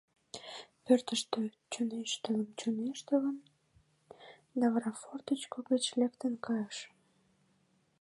Пӧртыштӧ чоҥештыльым-чоҥештыльым да вара форточко гыч лектын кайышым.